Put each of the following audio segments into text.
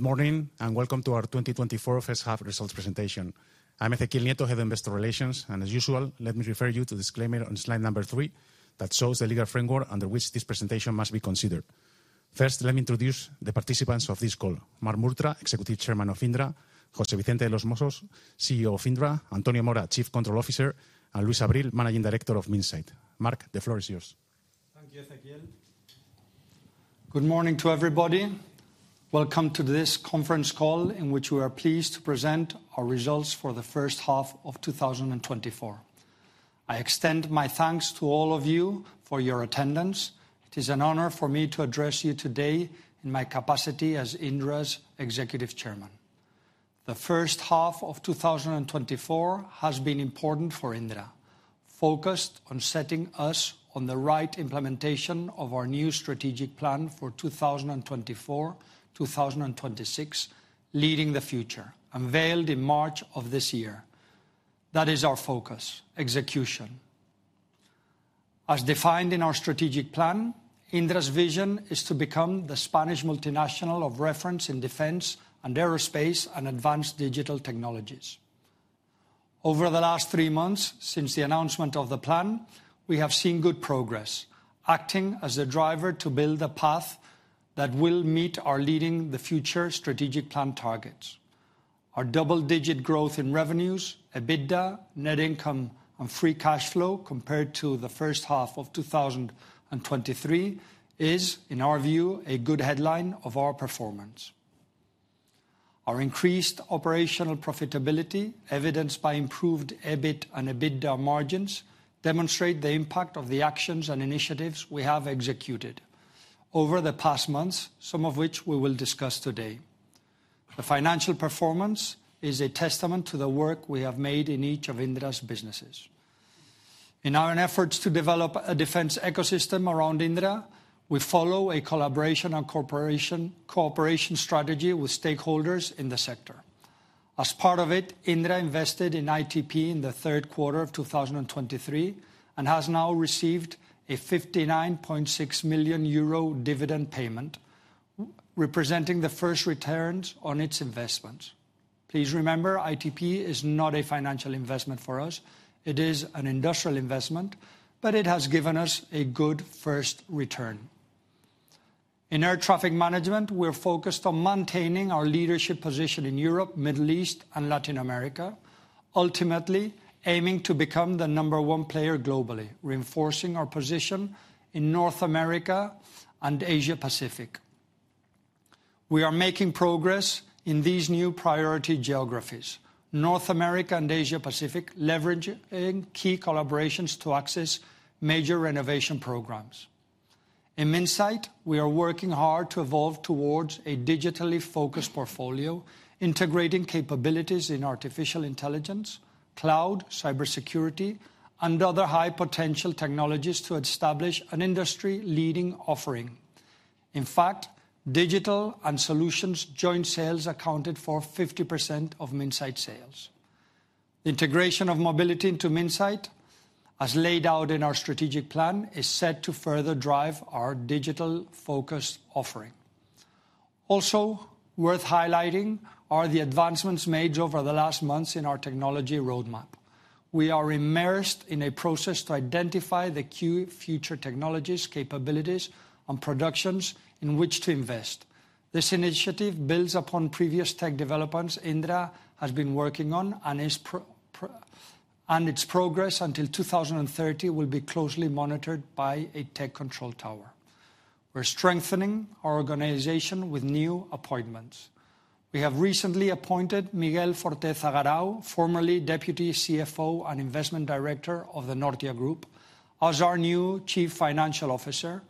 Good morning, and welcome to our 2024 first half results presentation. I'm Ezequiel Nieto, Head of Investor Relations, and as usual, let me refer you to disclaimer on slide number 3 that shows the legal framework under which this presentation must be considered. First, let me introduce the participants of this call: Marc Murtra, Executive Chairman of Indra; José Vicente de los Mozos, CEO of Indra; Antonio Mora, Chief Control Officer; and Luis Abril, Managing Director of Minsait. Marc, the floor is yours. Thank you, Ezequiel. Good morning to everybody. Welcome to this conference call, in which we are pleased to present our results for the first half of 2024. I extend my thanks to all of you for your attendance. It is an honor for me to address you today in my capacity as Indra's Executive Chairman. The first half of 2024 has been important for Indra, focused on setting us on the right implementation of our new strategic plan for 2024-2026, Leading the Future, unveiled in March of this year. That is our focus, execution. As defined in our strategic plan, Indra's vision is to become the Spanish multinational of reference in defense and aerospace and advanced digital technologies. Over the last three months since the announcement of the plan, we have seen good progress, acting as a driver to build a path that will meet our Leading the Future strategic plan targets. Our double-digit growth in revenues, EBITDA, net income, and free cash flow compared to the first half of 2023 is, in our view, a good headline of our performance. Our increased operational profitability, evidenced by improved EBIT and EBITDA margins, demonstrate the impact of the actions and initiatives we have executed over the past months, some of which we will discuss today. The financial performance is a testament to the work we have made in each of Indra's businesses. In our efforts to develop a defense ecosystem around Indra, we follow a collaboration and corporation, cooperation strategy with stakeholders in the sector. As part of it, Indra invested in ITP in the third quarter of 2023, and has now received a 59.6 million euro dividend payment, representing the first returns on its investment. Please remember, ITP is not a financial investment for us. It is an industrial investment, but it has given us a good first return. In air traffic management, we're focused on maintaining our leadership position in Europe, Middle East, and Latin America, ultimately aiming to become the number one player globally, reinforcing our position in North America and Asia Pacific. We are making progress in these new priority geographies, North America and Asia Pacific, leveraging key collaborations to access major renovation programs. In Minsait, we are working hard to evolve towards a digitally focused portfolio, integrating capabilities in artificial intelligence, cloud, cybersecurity, and other high-potential technologies to establish an industry-leading offering. In fact, digital and solutions joint sales accounted for 50% of Minsait sales. Integration of mobility into Minsait, as laid out in our strategic plan, is set to further drive our digital-focused offering. Also worth highlighting are the advancements made over the last months in our technology roadmap. We are immersed in a process to identify the key future technologies, capabilities, and productions in which to invest. This initiative builds upon previous tech developments Indra has been working on, and its progress until 2030 will be closely monitored by a tech control tower. We're strengthening our organization with new appointments. We have recently appointed Miguel Forteza Aguarón, formerly Deputy CFO and Investment Director of the Nortia Group, as our new Chief Financial Officer,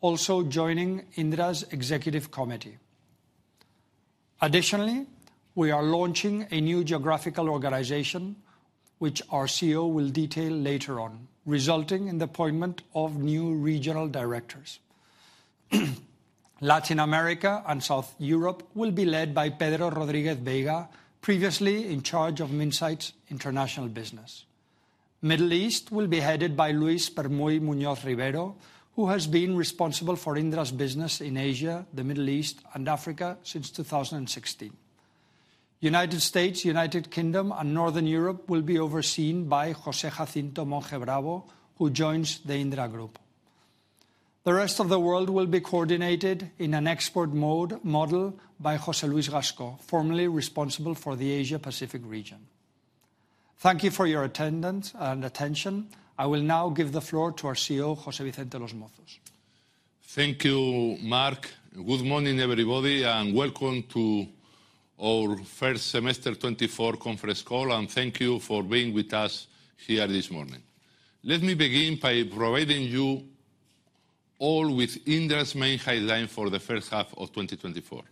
also joining Indra's executive committee. Additionally, we are launching a new geographical organization, which our CEO will detail later on, resulting in the appointment of new regional directors. Latin America and South Europe will be led by Pedro Rodríguez Veiga, previously in charge of Minsait's international business. Middle East will be headed by Luis Permuy Muñoz-Rivero, who has been responsible for Indra's business in Asia, the Middle East, and Africa since 2016. United States, United Kingdom, and Northern Europe will be overseen by José Jacinto Monge Bravo, who joins the Indra group. The rest of the world will be coordinated in an export model by José Luis Gascó, formerly responsible for the Asia Pacific region. Thank you for your attendance and attention. I will now give the floor to our CEO, José Vicente de los Mozos. Thank you, Marc. Good morning, everybody, and welcome to our first semester 2024 conference call, and thank you for being with us here this morning. Let me begin by providing you all with Indra's main headline for the first half of 2024.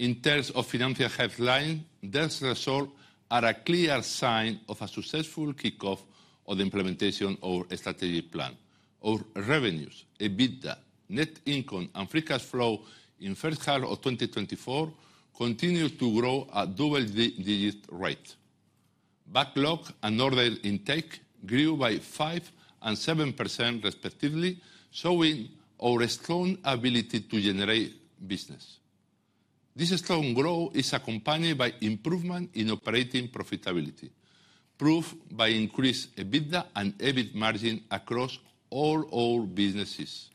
In terms of financial headline, this result are a clear sign of a successful kickoff of the implementation of our strategic plan. Our revenues, EBITDA, net income, and free cash flow in first half of 2024 continued to grow at double-digit rate. Backlog and order intake grew by 5% and 7% respectively, showing our strong ability to generate business. This strong growth is accompanied by improvement in operating profitability, proved by increased EBITDA and EBIT margin across all our businesses.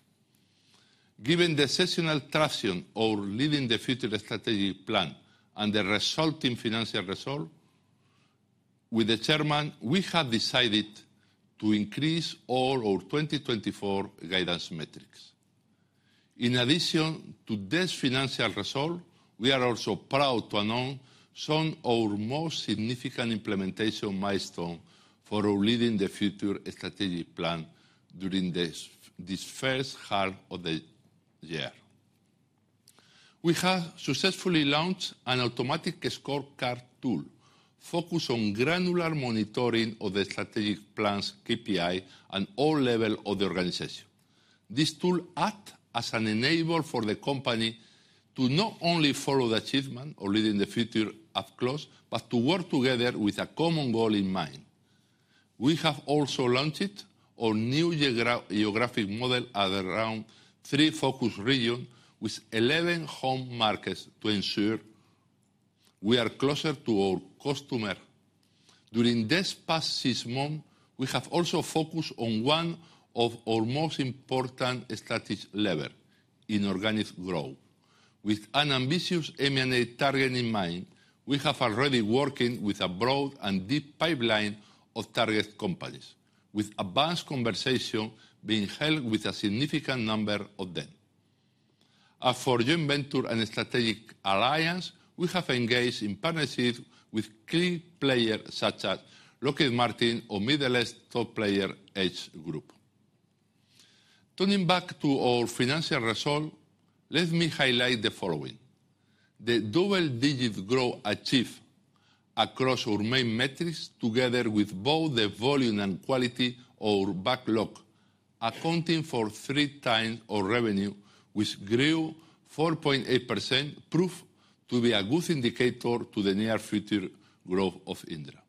Given the exceptional traction of Leading the Future strategic plan and the resulting financial result, with the chairman, we have decided to increase all our 2024 guidance metrics. In addition to this financial result, we are also proud to announce some of our most significant implementation milestone for our Leading the Future strategic plan during this first half of the year. We have successfully launched an automatic scorecard tool, focused on granular monitoring of the strategic plan's KPI and all level of the organization. This tool act as an enabler for the company to not only follow the achievement of Leading the Future up close, but to work together with a common goal in mind. We have also launched our new geographic model at around three focus region, with eleven home markets to ensure we are closer to our customer. During this past six months, we have also focused on one of our most important strategic lever, inorganic growth. With an ambitious M&A target in mind, we have already working with a broad and deep pipeline of target companies, with advanced conversation being held with a significant number of them. As for joint venture and strategic alliance, we have engaged in partnership with key players such as Lockheed Martin or Middle East top player Edge Group. Turning back to our financial result, let me highlight the following: the double-digit growth achieved across our main metrics, together with both the volume and quality of our backlog, accounting for three times our revenue, which grew 4.8%, prove to be a good indicator to the near future growth of Indra.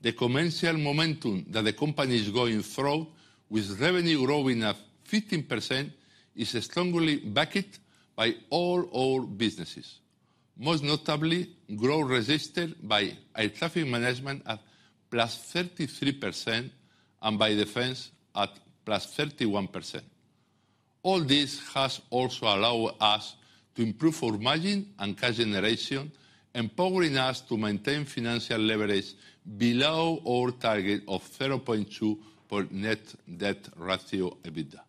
The commercial momentum that the company is going through, with revenue growing at 15%, is strongly backed by all our businesses. Most notably, growth registered by air traffic management at +33% and by defense at +31%. All this has also allowed us to improve our margin and cash generation, empowering us to maintain financial leverage below our target of 0.2 for net debt ratio EBITDA.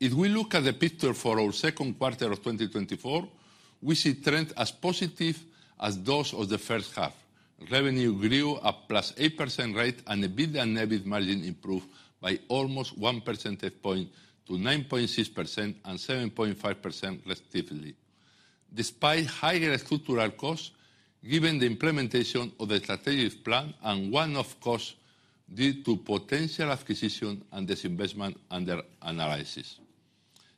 If we look at the picture for our second quarter of 2024, we see trends as positive as those of the first half. Revenue grew at +8% rate, and EBITDA and EBIT margin improved by almost 1 percentage point to 9.6% and 7.5% respectively. Despite higher structural costs, given the implementation of the strategic plan and one-off costs due to potential acquisition and disinvestment under analysis.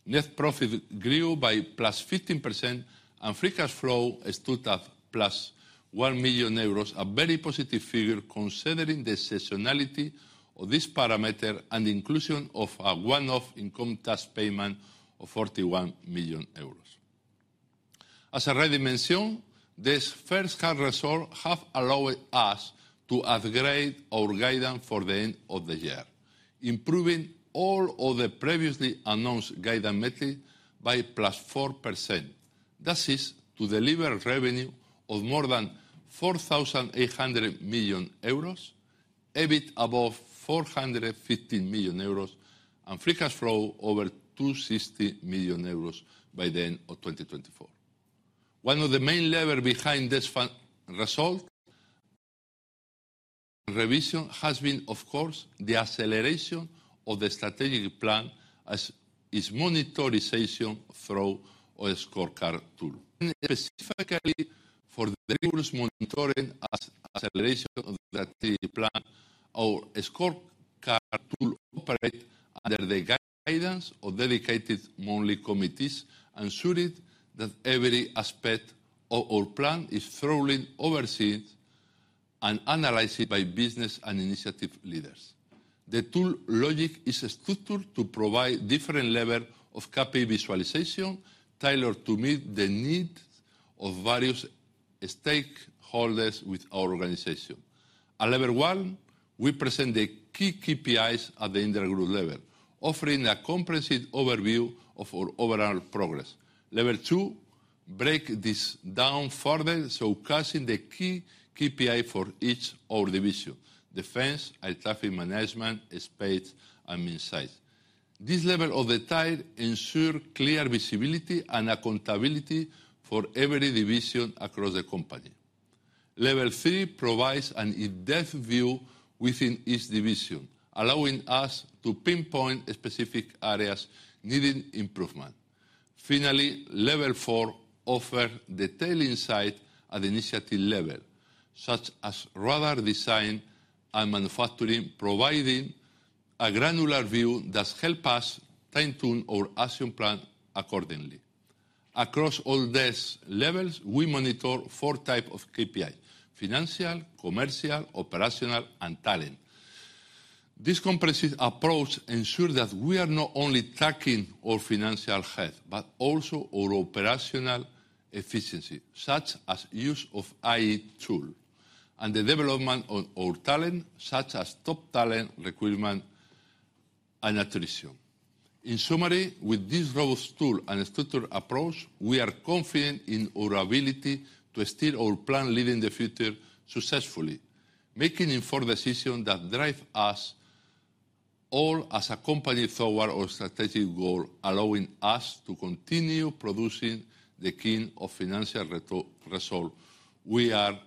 Net profit grew by +15%, and free cash flow stood at +1 million euros, a very positive figure, considering the seasonality of this parameter and inclusion of a one-off income tax payment of 41 million euros. As I already mentioned, this first half result have allowed us to upgrade our guidance for the end of the year, improving all of the previously announced guidance metric by +4%. That is to deliver revenue of more than 4,800 million euros, EBIT above 450 million euros, and free cash flow over 260 million euros by the end of 2024. One of the main lever behind this result revision has been, of course, the acceleration of the strategic plan as its monitorization through our scorecard tool. Specifically, for the rigorous monitoring and acceleration of the activity plan, our Scorecard Tool operate under the guidance of dedicated monthly committees, ensuring that every aspect of our plan is thoroughly overseen and analyzed by business and initiative leaders. The tool logic is structured to provide different level of KPI visualization, tailored to meet the needs of various stakeholders with our organization. At level one, we present the key KPIs at the Indra Group level, offering a comprehensive overview of our overall progress. Level two break this down further, showcasing the key KPI for each of division: defense, air traffic management, space, and insights. This level of detail ensure clear visibility and accountability for every division across the company. Level three provides an in-depth view within each division, allowing us to pinpoint specific areas needing improvement. Finally, level four offer detailed insight at initiative level, such as radar design and manufacturing, providing a granular view that help us fine-tune our action plan accordingly. Across all these levels, we monitor four type of KPI: financial, commercial, operational, and talent. This comprehensive approach ensure that we are not only tracking our financial health, but also our operational efficiency, such as use of AI tool, and the development of our talent, such as top talent recruitment and attrition. In summary, with this robust tool and structured approach, we are confident in our ability to steer our plan Leading the Future successfully, making informed decision that drive us all as a company toward our strategic goal, allowing us to continue producing the kind of financial results we are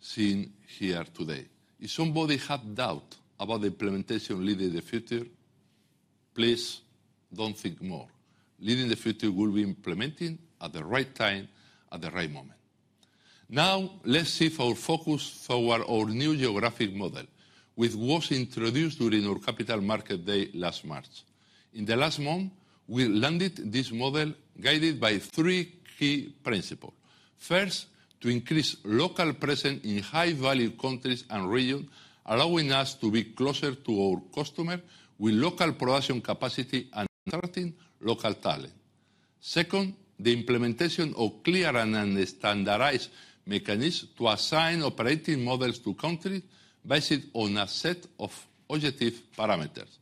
seeing here today. If somebody have doubt about the implementation of Leading the Future, please don't think more. Leading the Future will be implementing at the right time, at the right moment. Now, let's shift our focus toward our new geographic model, which was introduced during our Capital Market Day last March. In the last month, we landed this model guided by three key principle. First, to increase local presence in high-value countries and region, allowing us to be closer to our customer with local production capacity and attracting local talent. Second, the implementation of clear and standardized mechanisms to assign operating models to country based on a set of objective parameters.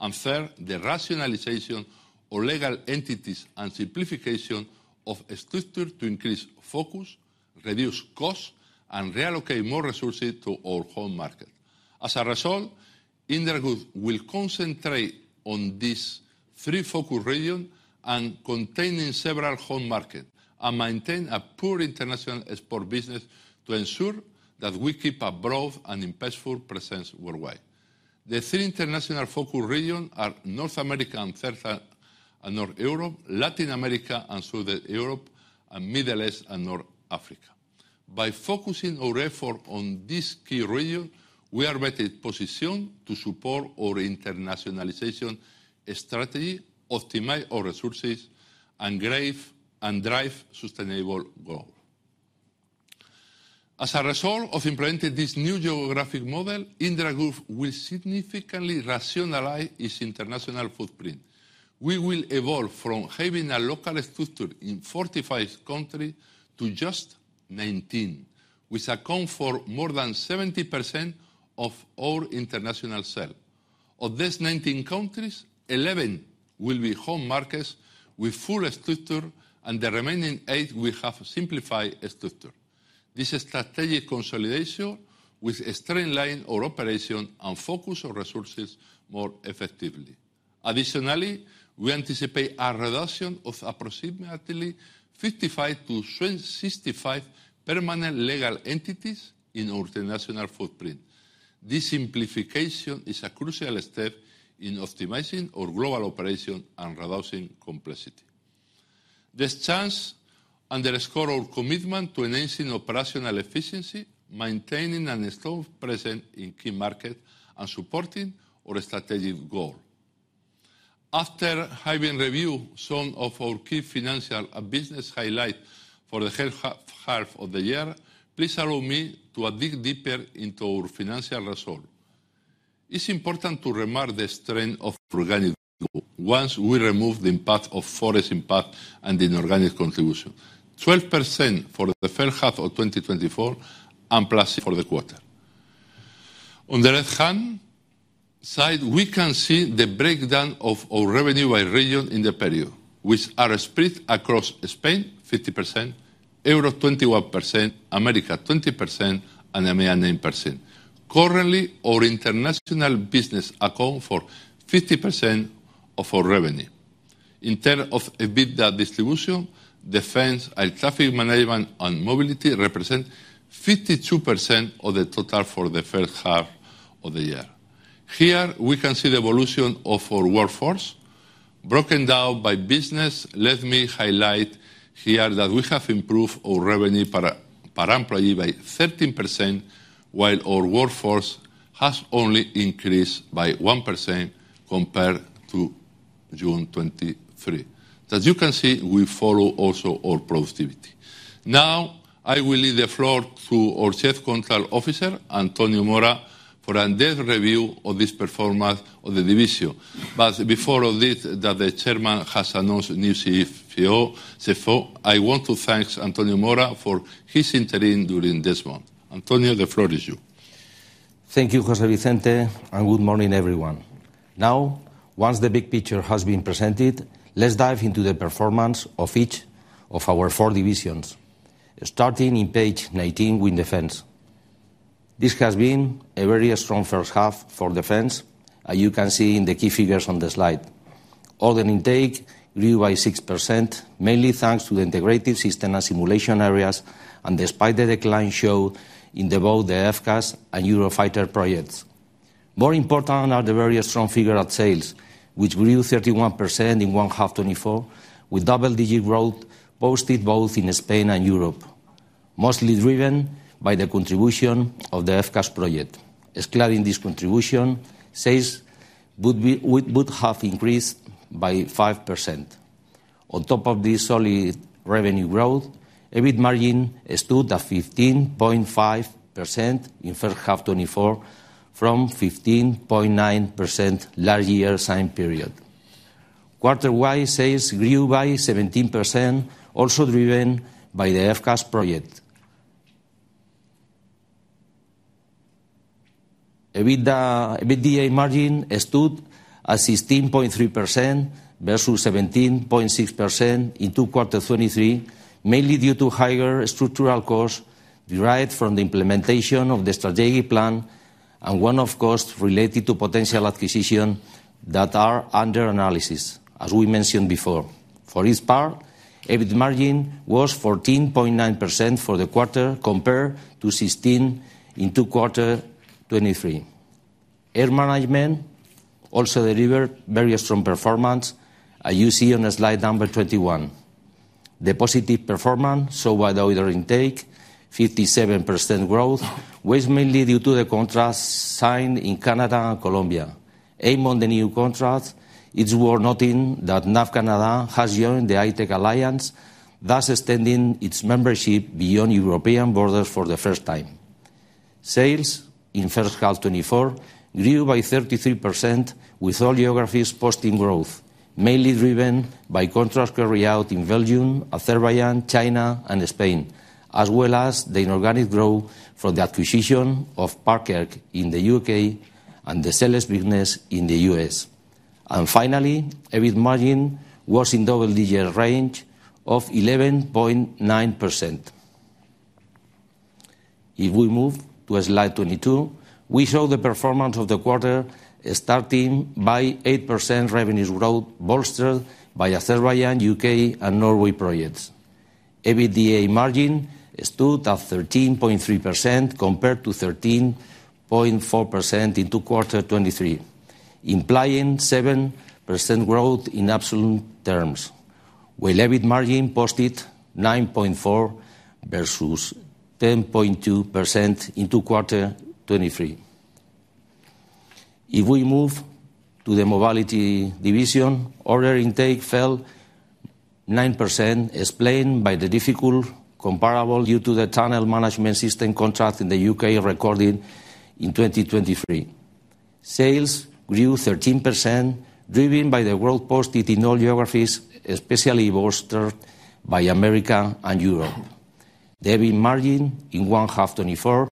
And third, the rationalization of legal entities and simplification of a structure to increase focus, reduce costs, and reallocate more resources to our home market. As a result, Indra Group will concentrate on these three focus regions, including several home markets, and maintain a core international export business to ensure that we keep a broad and impactful presence worldwide. The three international focus regions are North America and Central and Northern Europe, Latin America and Southern Europe, and Middle East and North Africa. By focusing our efforts on these key regions, we are better positioned to support our internationalization strategy, optimize our resources, leverage, and drive sustainable growth. As a result of implementing this new geographic model, Indra Group will significantly rationalize its international footprint. We will evolve from having a local structure in 45 countries to just 19, which accounts for more than 70% of our international sales. Of these 19 countries, 11 will be home markets with full structure, and the remaining 8 will have simplified structure. This strategic consolidation will streamline our operation and focus our resources more effectively. Additionally, we anticipate a reduction of approximately 55-65 permanent legal entities in our international footprint. This simplification is a crucial step in optimizing our global operation and reducing complexity. This change underscore our commitment to enhancing operational efficiency, maintaining a strong presence in key market, and supporting our strategic goal. After having reviewed some of our key financial and business highlight for the first half of the year, please allow me to dig deeper into our financial result. It's important to remark the strength of organic growth, once we remove the impact of FX impact and inorganic contribution. 12% for the first half of 2024, and +6% for the quarter. On the left-hand side, we can see the breakdown of our revenue by region in the period, which are spread across Spain, 50%, Europe, 21%, America, 20%, and EMEA, 9%. Currently, our international business account for 50% of our revenue. In terms of EBITDA distribution, Defense, Air Traffic Management, and Mobility represent 52% of the total for the first half of the year. Here, we can see the evolution of our workforce, broken down by business. Let me highlight here that we have improved our revenue per employee by 13%, while our workforce has only increased by 1% compared to June 2023. As you can see, we follow also our productivity. Now, I will leave the floor to our Chief Control Officer, Antonio Mora, for in-depth review of this performance of the division. Before all this that the chairman has announced a new CFO, CFO, I want to thank Antonio Mora for his interim during this month. Antonio, the floor is you. Thank you, José Vicente, and good morning, everyone. Now, once the big picture has been presented, let's dive into the performance of each of our four divisions, starting in page 19 with Defense. This has been a very strong first half for Defense, as you can see in the key figures on the slide. Order intake grew by 6%, mainly thanks to the integrated system and simulation areas, and despite the decline shown in both the FCAS and Eurofighter projects. More important are the very strong figure of sales, which grew 31% in one half 2024, with double-digit growth posted both in Spain and Europe... mostly driven by the contribution of the FCAS project. Excluding this contribution, sales would have increased by 5%. On top of this solid revenue growth, EBIT margin stood at 15.5% in first half 2024, from 15.9% last year same period. Quarter-wide sales grew by 17%, also driven by the FCAS project. EBITDA, EBITDA margin stood at 16.3% versus 17.6% in Q2 quarter 2023, mainly due to higher structural costs derived from the implementation of the strategic plan, and one-off costs related to potential acquisition that are under analysis, as we mentioned before. For its part, EBIT margin was 14.9% for the quarter, compared to 16% in Q2 quarter 2023. Air Management also delivered very strong performance, as you see on slide number 21. The positive performance show by the order intake, 57% growth, was mainly due to the contracts signed in Canada and Colombia. Aim on the new contract, it's worth noting that NAV CANADA has joined the iTEC Alliance, thus extending its membership beyond European borders for the first time. Sales in first half 2024 grew by 33%, with all geographies posting growth, mainly driven by contracts carried out in Belgium, Azerbaijan, China, and Spain, as well as the inorganic growth for the acquisition of Park Air in the UK and the Selex business in the US. Finally, EBIT margin was in double-digit range of 11.9%. If we move to slide 22, we show the performance of the quarter, starting by 8% revenues growth bolstered by Azerbaijan, UK, and Norway projects. EBITDA margin stood at 13.3% compared to 13.4% in Q2 2023, implying 7% growth in absolute terms, where EBIT margin posted 9.4% versus 10.2% in Q2 2023. If we move to the mobility division, order intake fell 9%, explained by the difficult comparable due to the tunnel management system contract in the UK recorded in 2023. Sales grew 13%, driven by the growth posted in all geographies, especially bolstered by America and Europe. The EBIT margin in first half 2024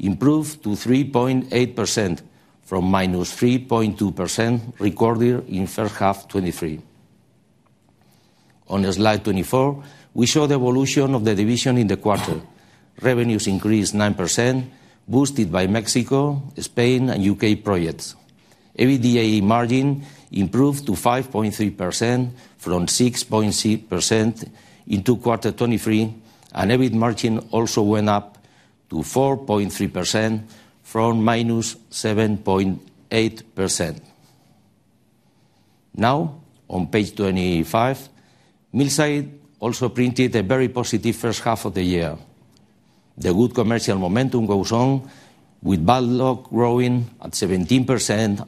improved to 3.8% from -3.2%, recorded in first half 2023. On the slide 24, we show the evolution of the division in the quarter. Revenues increased 9%, boosted by Mexico, Spain, and UK projects. EBITDA margin improved to 5.3% from 6.6% in Q2 2023, and EBIT margin also went up to 4.3% from -7.8%. Now, on page 25, Minsait also printed a very positive first half of the year. The good commercial momentum goes on, with backlog growing at 17%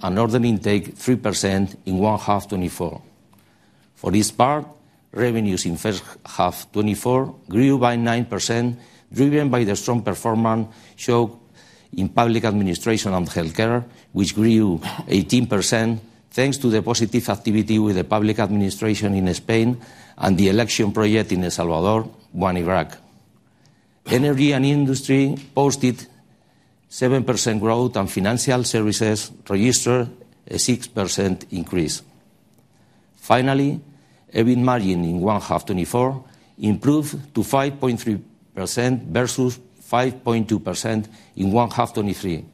and order intake 3% in first half 2024. For this part, revenues in first half 2024 grew by 9%, driven by the strong performance shown in public administration and healthcare, which grew 18%, thanks to the positive activity with the public administration in Spain and the election project in El Salvador and in Iraq. Energy and industry posted 7% growth, and financial services registered a 6% increase. Finally, EBIT margin in 1H 2024 improved to 5.3% versus 5.2% in 1H 2023,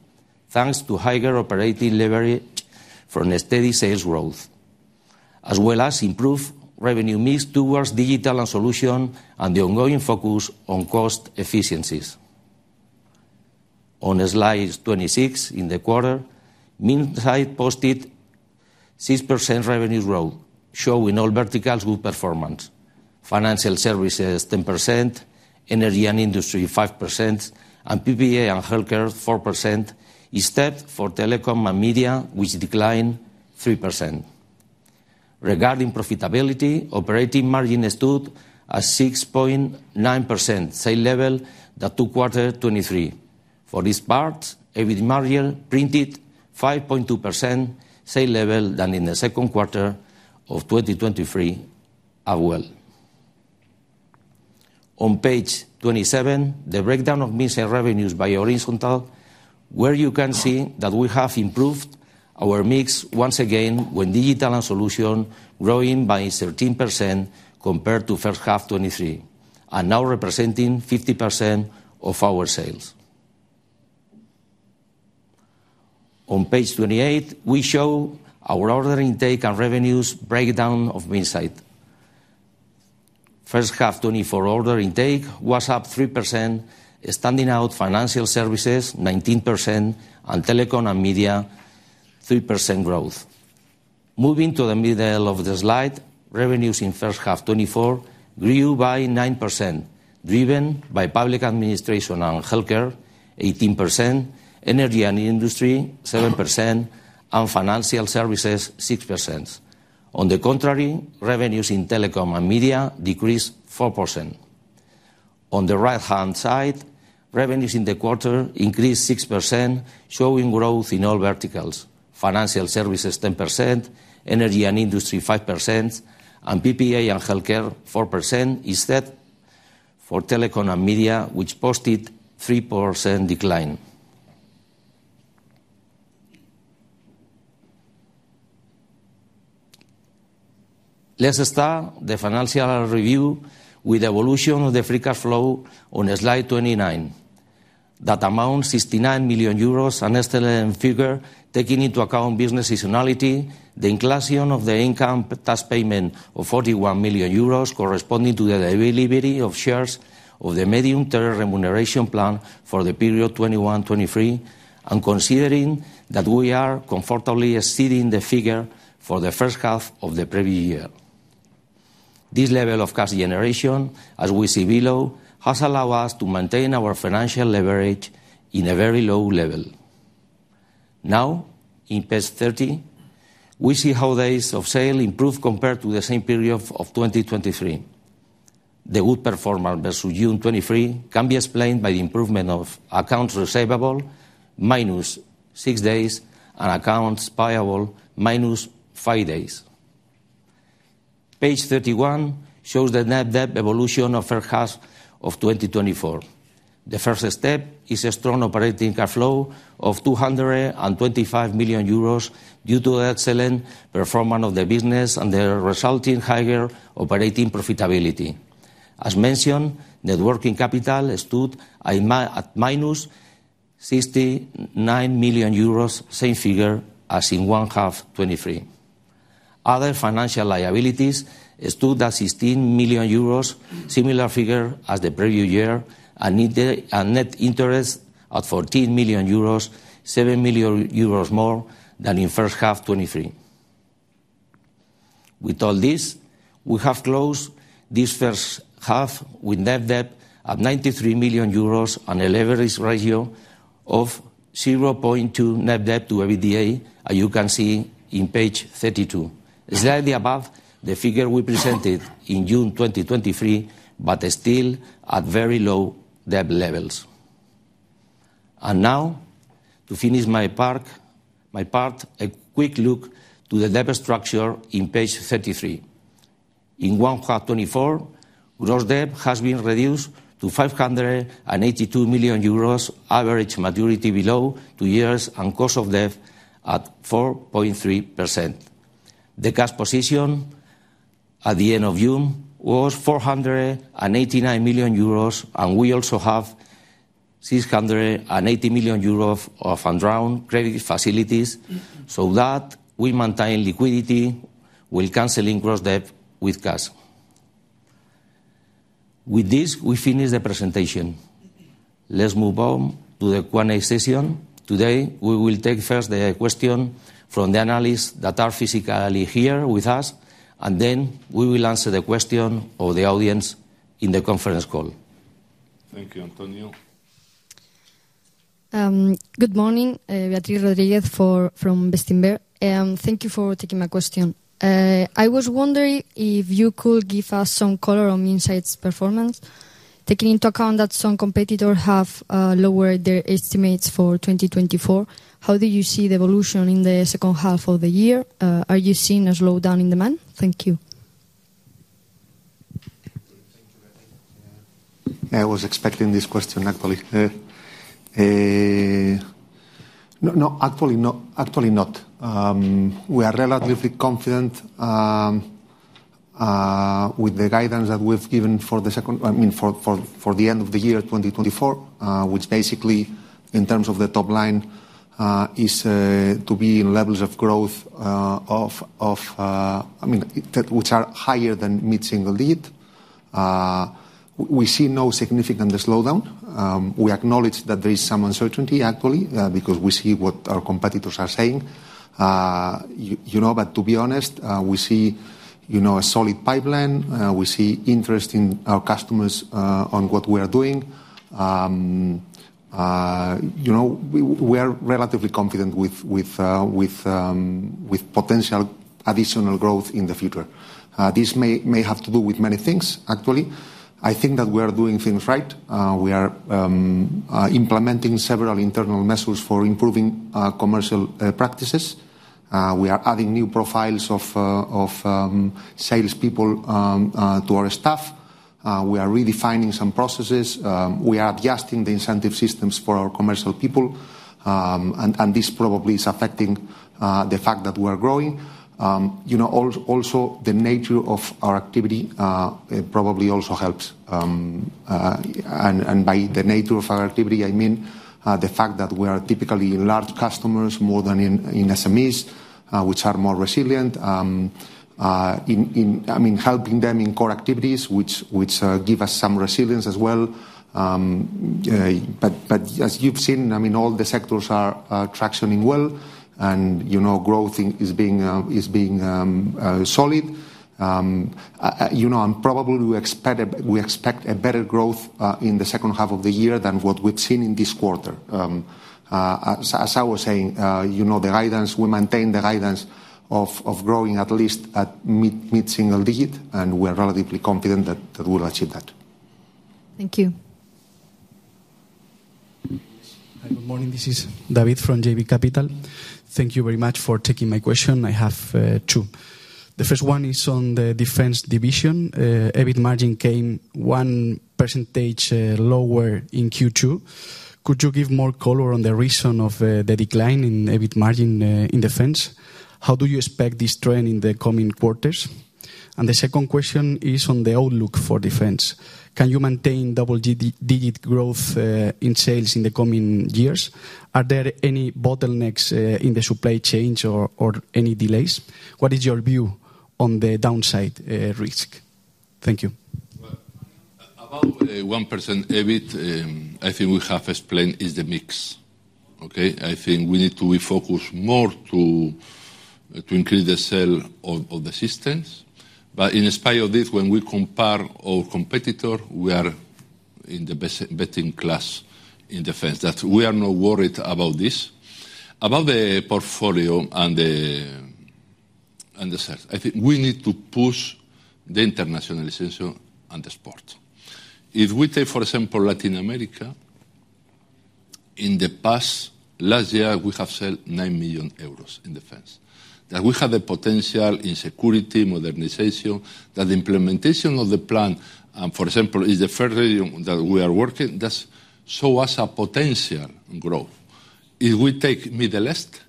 thanks to higher operating leverage from the steady sales growth, as well as improved revenue mix towards digital and solution and the ongoing focus on cost efficiencies. On slide 26, in the quarter, Minsait posted 6% revenue growth, showing all verticals good performance: financial services, 10%; energy and industry, 5%; and PPA and healthcare, 4%, except for telecom and media, which declined 3%. Regarding profitability, operating margin stood at 6.9%, same level that Q2 2023. For this part, EBIT margin printed 5.2%, same level than in the second quarter of 2023 as well. On page 27, the breakdown of Minsait revenues by horizontal, where you can see that we have improved our mix once again with digital and solution growing by 13% compared to first half 2023, and now representing 50% of our sales. On page 28, we show our order intake and revenues breakdown of Minsait. First half 2024 order intake was up 3%, standing out financial services, 19%, and telecom and media, 3% growth. Moving to the middle of the slide, revenues in first half 2024 grew by 9%, driven by public administration and healthcare, 18%, energy and industry, 7%, and financial services, 6%. On the contrary, revenues in telecom and media decreased 4%. On the right-hand side, revenues in the quarter increased 6%, showing growth in all verticals: financial services, 10%, energy and industry, 5%, and PPA and healthcare, 4%, except for telecom and media, which posted 3% decline. Let's start the financial review with evolution of the free cash flow on slide 29. That amount, 69 million euros, an excellent figure, taking into account business seasonality, the inclusion of the income tax payment of 41 million euros corresponding to the delivery of shares of the medium-term remuneration plan for the period 2021, 2023, and considering that we are comfortably exceeding the figure for the first half of the previous year. This level of cash generation, as we see below, has allowed us to maintain our financial leverage in a very low level. Now, in page 30, we see how days of sale improved compared to the same period of 2023. The good performer versus June 2023 can be explained by the improvement of accounts receivable, -6 days, and accounts payable, -5 days. Page 31 shows the net debt evolution of first half of 2024. The first step is a strong operating cash flow of 225 million euros due to excellent performance of the business and the resulting higher operating profitability. As mentioned, net working capital stood at minus 69 million euros, same figure as in first half 2023. Other financial liabilities stood at 16 million euros, similar figure as the previous year, and net interest at 14 million euros, 7 million euros more than in first half 2023. With all this, we have closed this first half with net debt at 93 million euros on a leverage ratio of 0.2 net debt to EBITDA, as you can see in page 32. Slightly above the figure we presented in June 2023, but still at very low debt levels. And now, to finish my part, my part, a quick look to the debt structure in page 33. In 1H 2024, gross debt has been reduced to 582 million euros, average maturity below 2 years, and cost of debt at 4.3%. The cash position at the end of June was 489 million euros, and we also have 680 million euro of undrawn credit facilities, so that we maintain liquidity while canceling gross debt with cash. With this, we finish the presentation. Let's move on to the Q&A session. Today, we will take first the question from the analysts that are physically here with us, and then we will answer the question of the audience in the conference call. Thank you, Antonio. Good morning, Beatriz Rodriguez from Bestinver, and thank you for taking my question. I was wondering if you could give us some color on Indra's performance. Taking into account that some competitors have lowered their estimates for 2024, how do you see the evolution in the second half of the year? Are you seeing a slowdown in demand? Thank you. Thank you, Beatriz. I was expecting this question, actually. No, no, actually not, actually not. We are relatively confident with the guidance that we've given for the end of the year 2024, which basically, in terms of the top line, is to be in levels of growth of that which are higher than mid-single digit. We see no significant slowdown. We acknowledge that there is some uncertainty, actually, because we see what our competitors are saying. You know, but to be honest, we see, you know, a solid pipeline. We see interest in our customers on what we are doing. You know, we are relatively confident with potential additional growth in the future. This may have to do with many things, actually. I think that we are doing things right. We are implementing several internal measures for improving commercial practices. We are adding new profiles of salespeople to our staff. We are redefining some processes. We are adjusting the incentive systems for our commercial people. And this probably is affecting the fact that we are growing. You know, also, the nature of our activity, it probably also helps. And by the nature of our activity, I mean the fact that we are typically large customers, more than in SMEs.... which are more resilient, in, I mean, helping them in core activities, which give us some resilience as well. But as you've seen, I mean, all the sectors are tractioning well, and, you know, growth is being solid. You know, and probably we expect a better growth in the second half of the year than what we've seen in this quarter. As I was saying, you know, the guidance, we maintain the guidance of growing at least at mid-single digit, and we're relatively confident that we'll achieve that. Thank you. Hi, good morning. This is David from JB Capital. Thank you very much for taking my question. I have two. The first one is on the defense division. EBIT margin came 1% lower in Q2. Could you give more color on the reason of the decline in EBIT margin in defense? How do you expect this trend in the coming quarters? And the second question is on the outlook for defense. Can you maintain double-digit growth in sales in the coming years? Are there any bottlenecks in the supply chains or any delays? What is your view on the downside risk? Thank you. Well, about the 1% EBIT, I think we have explained is the mix. Okay? I think we need to be focused more to increase the sale of the systems. But in spite of this, when we compare our competitor, we are in the best-in-class in defense. That we are not worried about this. About the portfolio and the sales, I think we need to push the internationalization and the export. If we take, for example, Latin America, in the past, last year we have sold 9 million euros in defense. That we have the potential in security, modernization, that the implementation of the plan, for example, is the first region that we are working, that show us a potential growth. If we take Middle East,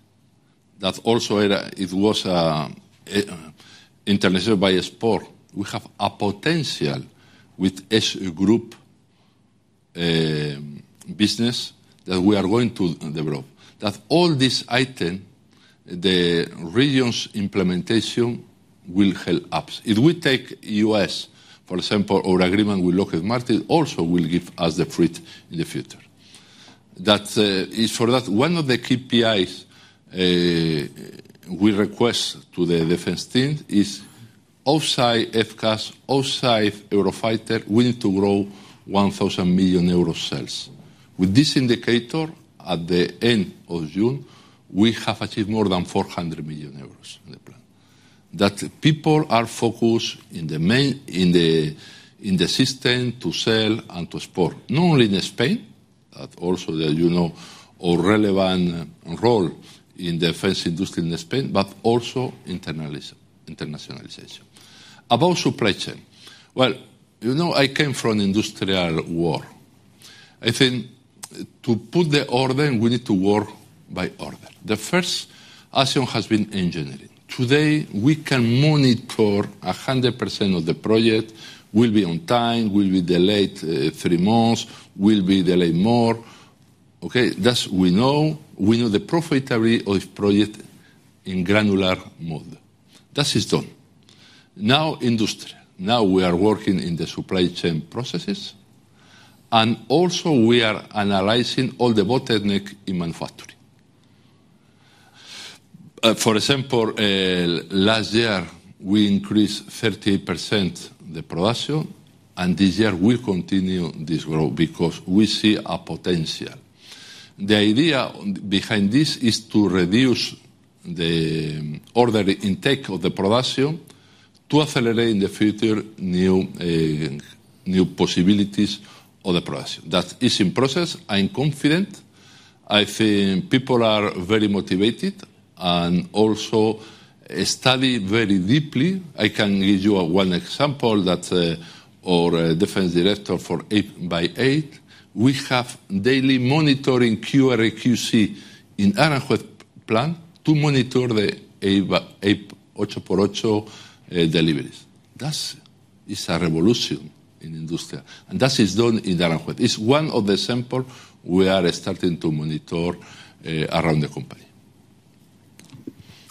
that also area, it was international by export. We have a potential with Edge Group, business that we are going to develop. That all this item, the regions implementation will help us. If we take U.S., for example, our agreement with Lockheed Martin also will give us the fruit in the future. That is for that, one of the KPIs we request to the defense team is outside FCAS, outside Eurofighter, we need to grow 1,000 million euro sales. With this indicator, at the end of June, we have achieved more than 400 million euros in the plan. That people are focused in the main, in the system to sell and to support, not only in Spain, but also the, you know, our relevant role in the defense industry in Spain, but also internationalization. About supply chain. Well, you know, I came from industrial world. I think to put the order, we need to work by order. The first action has been engineering. Today, we can monitor 100% of the project, will be on time, will be delayed three months, will be delayed more. Okay, that's we know. We know the profitability of project in granular mode. That is done. Now, industry. Now we are working in the supply chain processes, and also we are analyzing all the bottlenecks in manufacturing. For example, last year we increased 38% the production, and this year we continue this growth because we see a potential. The idea behind this is to reduce the order intake of the production to accelerate in the future new, new possibilities of the production. That is in process. I'm confident. I think people are very motivated and also study very deeply. I can give you one example, that our defense director for 8 by 8, we have daily monitoring QA/QC in Aranjuez plant to monitor the 8 by 8, ocho por ocho, deliveries. That is a revolution in industrial, and that is done in Aranjuez. It's one of the example we are starting to monitor around the company.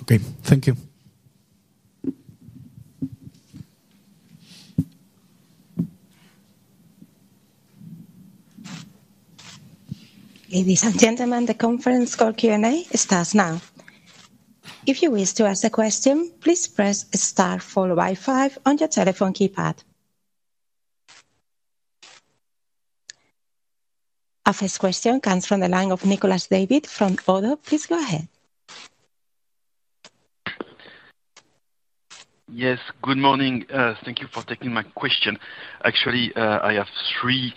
Okay, thank you. Ladies and gentlemen, the conference call Q&A starts now. If you wish to ask a question, please press star followed by five on your telephone keypad. Our first question comes from the line of Nicolas David from ODDO BHF. Please go ahead. Yes, good morning. Thank you for taking my question. Actually, I have three.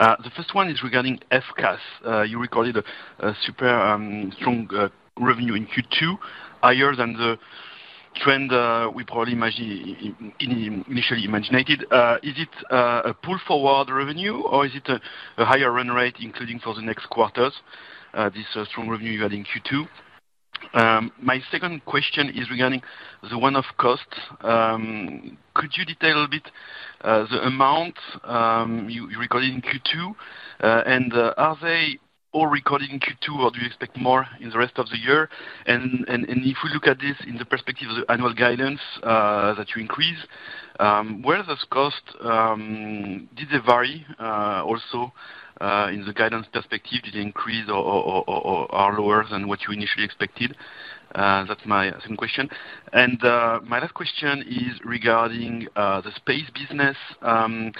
The first one is regarding FCAS. You recorded a super strong revenue in Q2, higher than the trend we probably imagined, initially imagined it. Is it a pull-forward revenue, or is it a higher run rate, including for the next quarters, this strong revenue you had in Q2? My second question is regarding the one-off costs. Could you detail a bit the amount you recorded in Q2? And are they all recorded in Q2, or do you expect more in the rest of the year? If we look at this in the perspective of the annual guidance that you increase, where does cost did they vary also in the guidance perspective? Did they increase or are lower than what you initially expected? That's my second question. My last question is regarding the space business. Could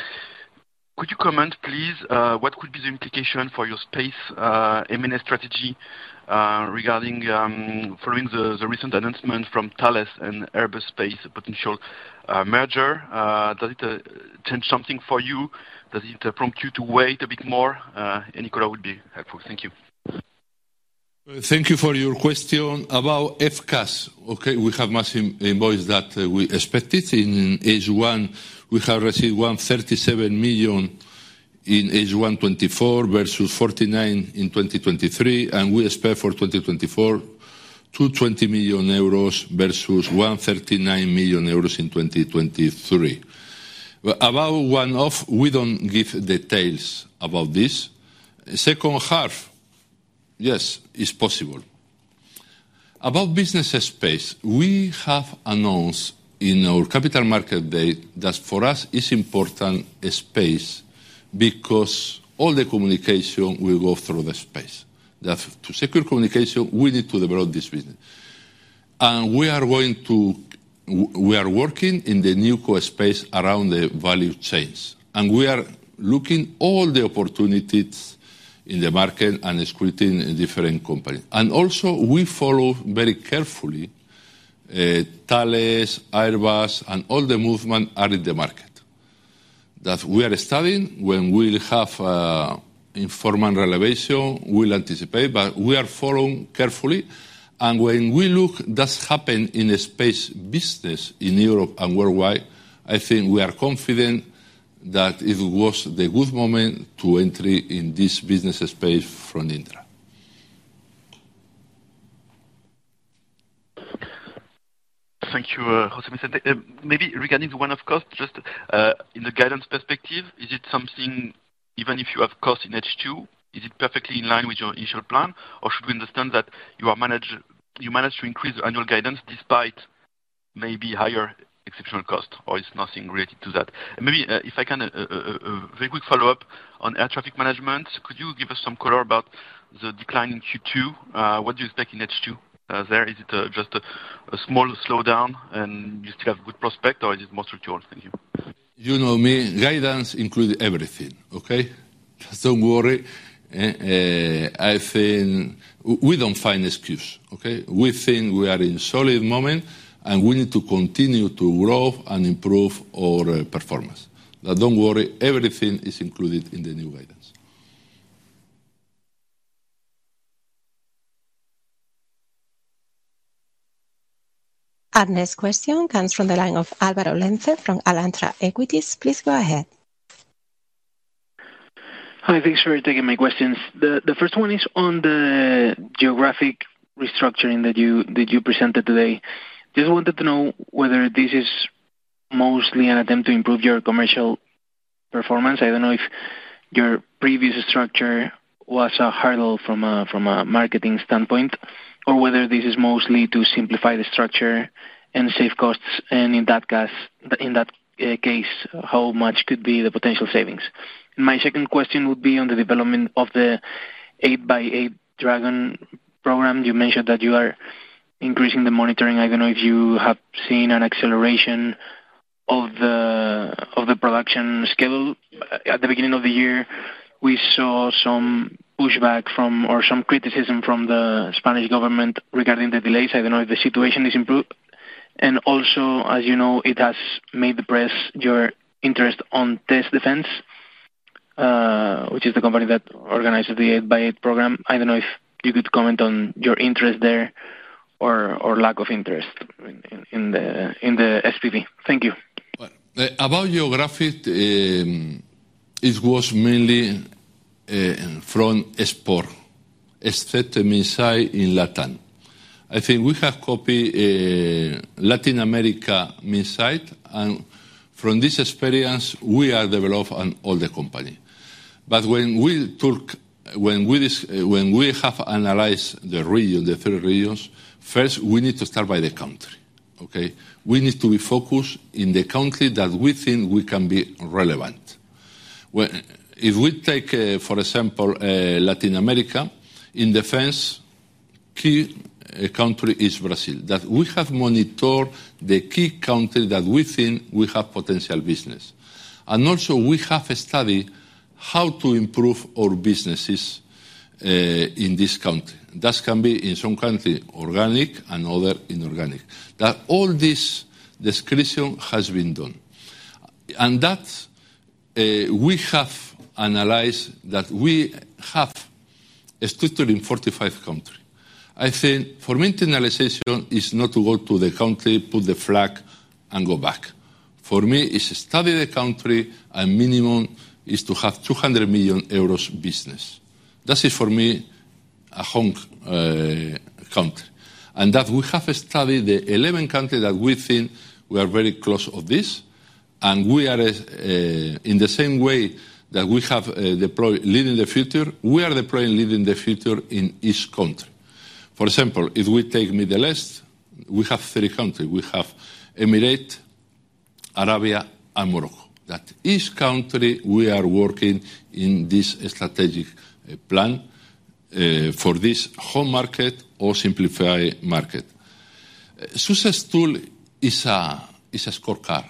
you comment, please, what could be the implication for your space M&A strategy regarding following the recent announcement from Thales and Airbus Space, a potential merger? Does it change something for you? Does it prompt you to wait a bit more? Any color would be helpful. Thank you. Thank you for your question. About FCAS, okay, we have more invoices than we expected. In H1, we have received 137 million in H1 2024 versus 49 million in 2023, and we expect for 2024 20 million euros versus 139 million euros in 2023. But about one-off, we don't give details about this. Second half, yes, it's possible. About space business, we have announced in our capital market day that for us, it's important, space, because all the communication will go through the space. That to secure communication, we need to develop this business. We are working in the new core space around the value chains, and we are looking all the opportunities in the market and is creating different companies. Also, we follow very carefully Thales, Airbus, and all the movement are in the market. That we are studying. When we have informal revelation, we'll anticipate, but we are following carefully. When we look at what's happened in a space business in Europe and worldwide, I think we are confident that it was the good moment to enter in this business space from Indra. Thank you, José Vicente. Maybe regarding the one of cost, just, in the guidance perspective, is it something, even if you have cost in H2, is it perfectly in line with your initial plan? Or should we understand that you manage to increase annual guidance despite maybe higher exceptional cost, or it's nothing related to that? And maybe, if I can, very quick follow-up on air traffic management, could you give us some color about the decline in Q2? What do you expect in H2, there? Is it just a small slowdown and you still have good prospect, or is it more structural? Thank you. You know me, guidance includes everything, okay? Don't worry. I think we don't find excuse, okay? We think we are in solid moment, and we need to continue to grow and improve our performance. But don't worry, everything is included in the new guidance. Our next question comes from the line of Álvaro Lenze from Alantra Equities. Please go ahead. Hi, thanks for taking my questions. The first one is on the geographic restructuring that you presented today. Just wanted to know whether this is mostly an attempt to improve your commercial performance. I don't know if your previous structure was a hurdle from a marketing standpoint, or whether this is mostly to simplify the structure and save costs, and in that case, how much could be the potential savings? My second question would be on the development of the 8x8 Dragon program. You mentioned that you are increasing the monitoring. I don't know if you have seen an acceleration of the production schedule. At the beginning of the year, we saw some pushback from, or some criticism from the Spanish government regarding the delays. I don't know if the situation is improved. Also, as you know, it has made the press, your interest on Tess Defence, which is the company that organizes the 8x8 program. I don't know if you could comment on your interest there or lack of interest in the SPV. Thank you. Well, about geographic, it was mainly from export, Minsait in Latin. I think we have copy, Latin America Minsait, and from this experience, we are developed on all the company. But when we talk, when we have analyzed the region, the three regions, first, we need to start by the country, okay? We need to be focused in the country that we think we can be relevant. If we take, for example, Latin America, in defense, key country is Brazil. That we have monitored the key country that we think we have potential business. And also, we have studied how to improve our businesses, in this country. That can be in some country, organic and other inorganic. That all this diligence has been done. And that, we have analyzed, that we have a structure in 45 countries. I think for internationalization is not to go to the country, put the flag, and go back. For me, is study the country, and minimum is to have 200 million euros business. That is, for me, a home country. And that we have studied the 11 countries that we think we are very close of this, and we are in the same way that we have deploy Leading the Future, we are deploying Leading the Future in each country. For example, if we take Middle East, we have three country. We have Emirate, Arabia, and Morocco. That each country we are working in this strategic plan for this home market or simplified market. Success tool is a scorecard.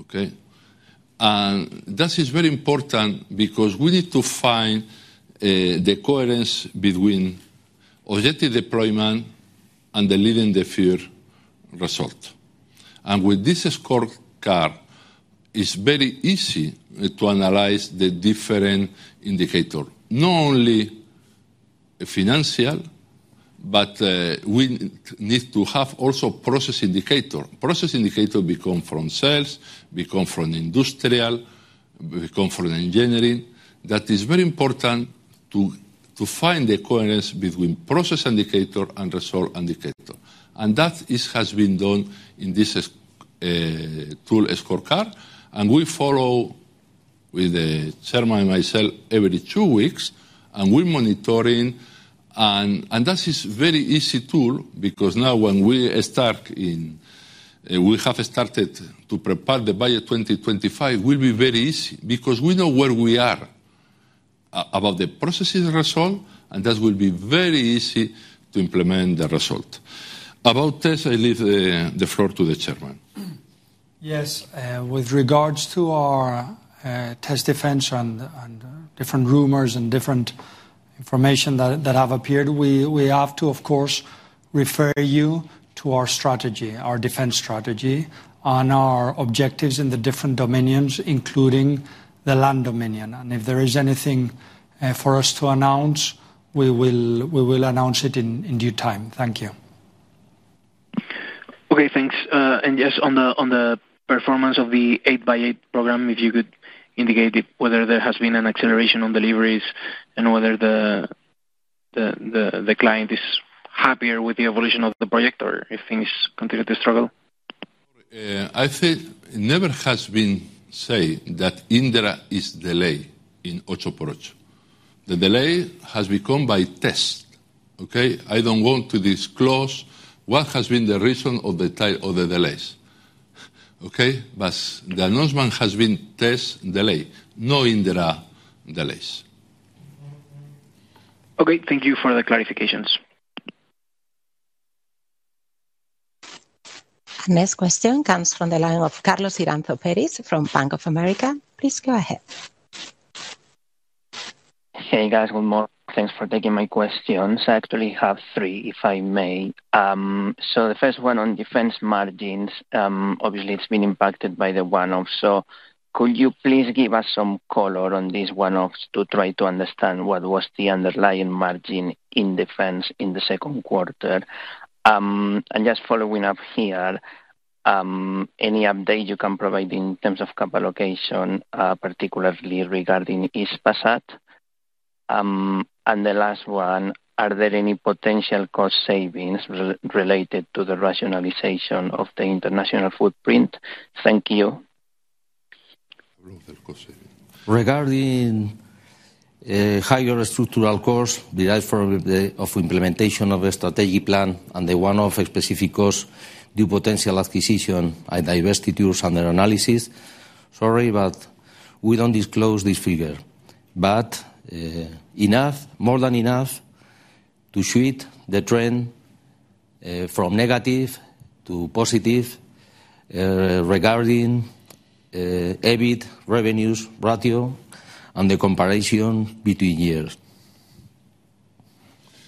Okay? And that is very important because we need to find the coherence between objective deployment and the Leading the Future result. With this scorecard, it's very easy to analyze the different indicator, not only financial, but we need to have also process indicator. Process indicator become from sales, become from industrial, become from engineering. That is very important to find the coherence between process indicator and result indicator. And that has been done in this tool, a scorecard, and we follow with the chairman and myself every two weeks, and we're monitoring. And that is very easy tool because now we have started to prepare the budget 2025, will be very easy because we know where we are about the processes result, and that will be very easy to implement the result. About this, I leave the floor to the chairman. Yes, with regards to our test defense and different rumors and different information that have appeared, we have to, of course, refer you to our strategy, our defense strategy, on our objectives in the different dominions, including the land dominion. And if there is anything for us to announce, we will announce it in due time. Thank you. Okay, thanks. And just on the performance of the 8x8 program, if you could indicate whether there has been an acceleration on deliveries and whether the client is happier with the evolution of the project, or if things continue to struggle? I think never has been said that Indra is delayed in Ocho por Ocho. The delay has become by test, okay? I don't want to disclose what has been the reason of the delays. Okay? But the announcement has been test delay, not Indra delays. Okay, thank you for the clarifications. Our next question comes from the line of Carlos Iranzo Perez from Bank of America. Please go ahead. Hey, guys. Good morning. Thanks for taking my questions. I actually have three, if I may. So the first one on defense margins. Obviously, it's been impacted by the one-off, so could you please give us some color on these one-offs to try to understand what was the underlying margin in defense in the second quarter? And just following up here, any update you can provide in terms of capital allocation, particularly regarding Hispasat? And the last one, are there any potential cost savings related to the rationalization of the international footprint? Thank you. Regarding higher structural costs derived from the implementation of a strategic plan and the one-off specific costs due to potential acquisition and divestitures under analysis, sorry, but we don't disclose this figure. But enough, more than enough, to suit the trend from negative to positive regarding the EBIT revenues ratio and the comparison between years.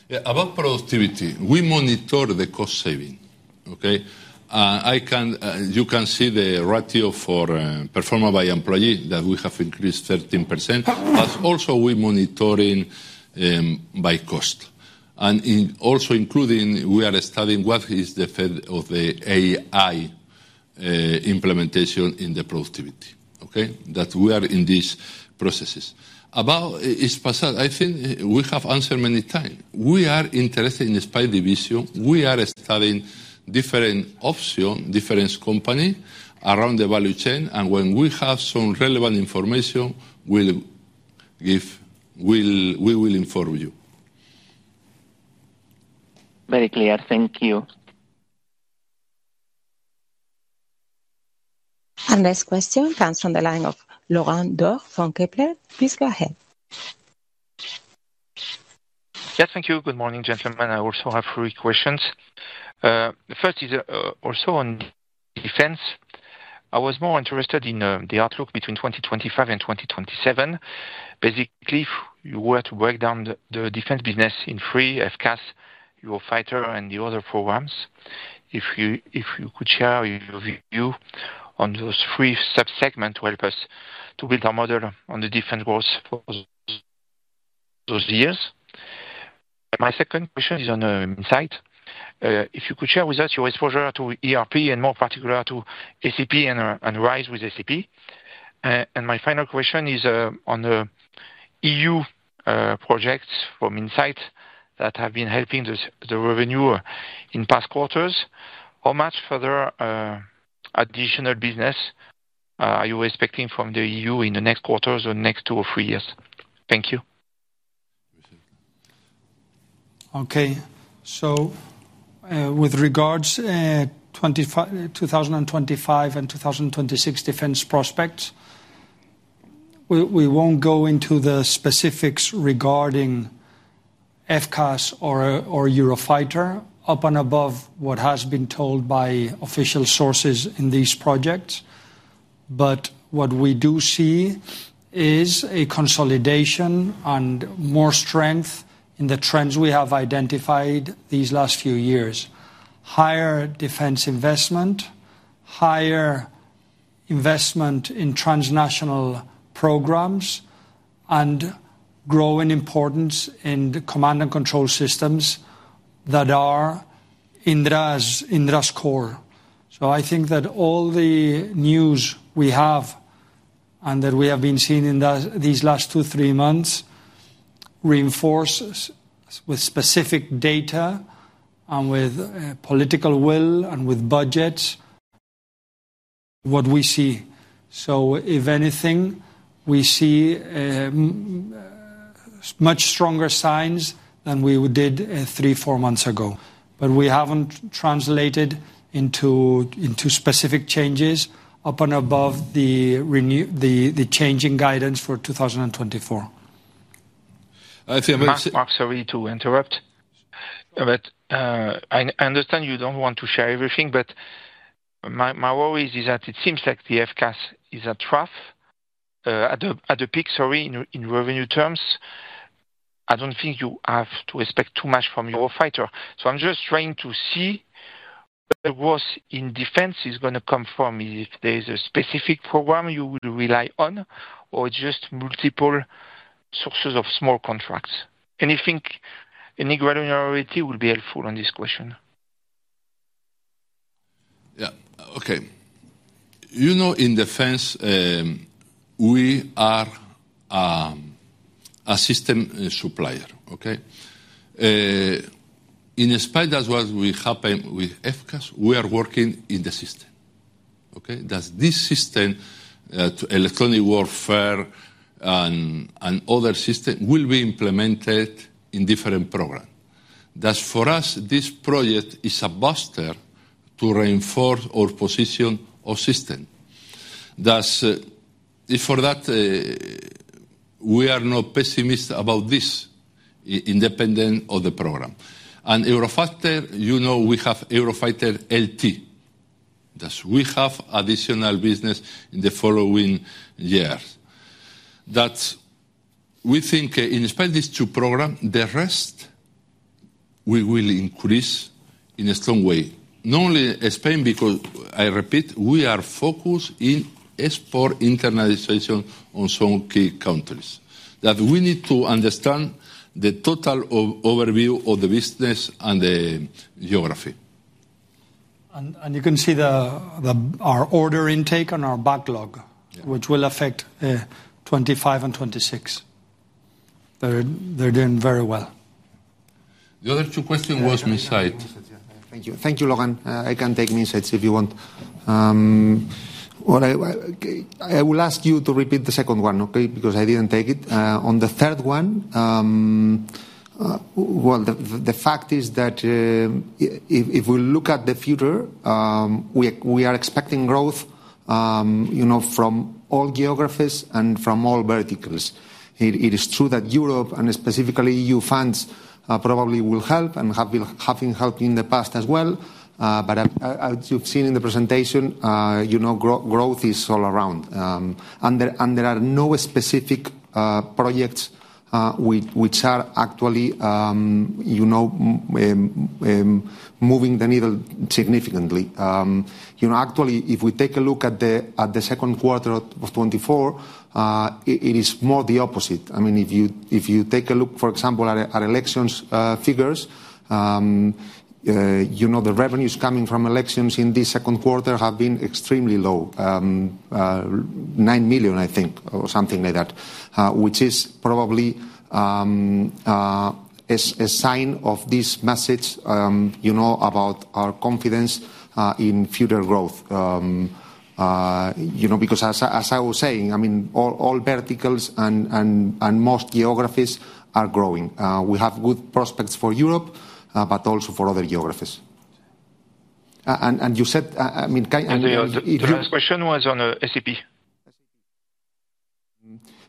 Yeah, about productivity, we monitor the cost saving, okay? I can, you can see the ratio for, performer by employee, that we have increased 13%. But also we're monitoring, by cost. And in also including, we are studying what is the effect of the AI, implementation in the productivity, okay? That we are in these processes. About Hispasat, I think we have answered many time. We are interested in the space division. We are studying different option, different company around the value chain, and when we have some relevant information, we'll give, we'll, we will inform you. Very clear. Thank you. Our next question comes from the line of Lauren Door from Kepler. Please go ahead. Yes, thank you. Good morning, gentlemen. I also have three questions. The first is also on defense. I was more interested in the outlook between 2025 and 2027. Basically, if you were to break down the defense business in three, FCAS, your fighter and the other programs, if you could share your view on those three sub-segments to help us to build our model on the different growth for those years. My second question is on Minsait. If you could share with us your exposure to ERP, and more particular to SAP and RISE with SAP. And my final question is on the EU projects from Minsait that have been helping the revenue in past quarters. How much further, additional business, are you expecting from the EU in the next quarters or next two or three years? Thank you. Okay. So, with regards to 2025 and 2026 defense prospects, we won't go into the specifics regarding FCAS or Eurofighter, up and above what has been told by official sources in these projects. But what we do see is a consolidation and more strength in the trends we have identified these last few years. Higher defense investment, higher investment in transnational programs, and growing importance in the command and control systems that are Indra's, Indra's core. So I think that all the news we have, and that we have been seeing in these last two, three months, reinforces with specific data and with political will and with budgets, what we see. So if anything, we see much stronger signs than we did three, four months ago. But we haven't translated into specific changes up and above the changing guidance for 2024. I think- Mark, sorry to interrupt. But I understand you don't want to share everything, but my worry is that it seems like the FCAS is a trough at the peak, sorry, in revenue terms. I don't think you have to expect too much from your fighter. So I'm just trying to see where growth in defense is gonna come from, if there is a specific program you would rely on, or just multiple sources of small contracts. Anything, any granularity would be helpful on this question. Yeah. Okay. You know, in defense, we are a system supplier, okay? In spite of what will happen with FCAS, we are working in the system, okay? That this system, electronic warfare and other system, will be implemented in different program. Thus, for us, this project is a booster to reinforce our position of system. Thus, for that, we are not pessimistic about this, independent of the program. And Eurofighter, you know, we have Eurofighter LTE. Thus, we have additional business in the following years. That we think, in spite of these two program, the rest we will increase in a strong way. Not only Spain, because, I repeat, we are focused in export internationalization on some key countries. That we need to understand the total overview of the business and the geography. You can see our order intake and our backlog- Yeah... which will affect 2025 and 2026. They're doing very well. The other two question was Minsait. Thank you. Thank you, Logan. I can take Minsait, if you want. Okay, I will ask you to repeat the second one, okay? Because I didn't take it. On the third one, well, the fact is that, if we look at the future, we are expecting growth, you know, from all geographies and from all verticals. It is true that Europe, and specifically EU funds, probably will help and have been having helped in the past as well. But as you've seen in the presentation, you know, growth is all around. And there are no specific projects, which are actually, you know, moving the needle significantly. You know, actually, if we take a look at the second quarter of 2024, it is more the opposite. I mean, if you take a look, for example, at elections figures, you know, the revenues coming from elections in this second quarter have been extremely low. Nine million, I think, or something like that, which is probably a sign of this message, you know, about our confidence in future growth. You know, because as I was saying, I mean, all verticals and most geographies are growing. We have good prospects for Europe, but also for other geographies. And you said, I mean, can, and if you- The last question was on SAP.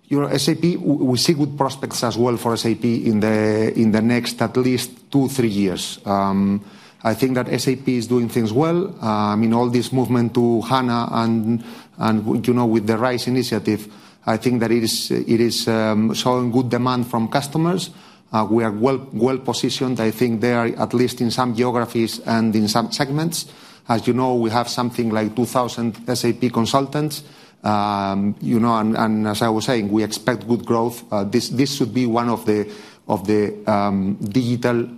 You know, SAP, we see good prospects as well for SAP in the next, at least 2, 3 years. I think that SAP is doing things well. I mean, all this movement to HANA and, you know, with the RISE initiative, I think that it is showing good demand from customers. We are well-positioned. I think they are, at least in some geographies and in some segments. As you know, we have something like 2,000 SAP consultants. You know, and as I was saying, we expect good growth. This should be one of the digital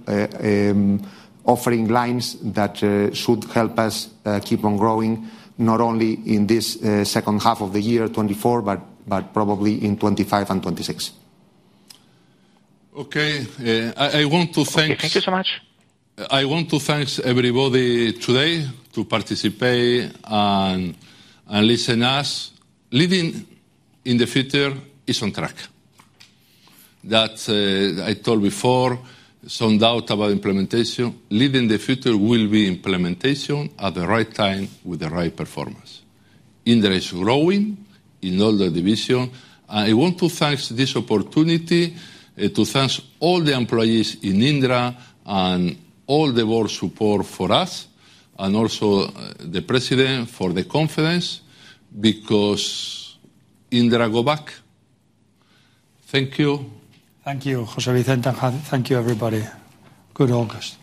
offering lines that should help us keep on growing, not only in this second half of the year, 2024, but probably in 2025 and 2026. Okay. I want to thank- Okay, thank you so much. I want to thanks everybody today to participate and listen us. Leading the Future is on track. That, I told before, some doubt about implementation. Leading the Future will be implementation at the right time with the right performance. Indra is growing in all the division. I want to thank this opportunity to thank all the employees in Indra and all the board support for us, and also the president for the confidence, because Indra go back. Thank you. Thank you, José Vicente. Thank you, everybody. Good August.